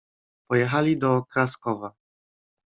"Pojechali do Kraskowa."